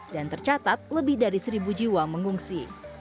dan tercatat lebih dari seribu jiwa mengungsi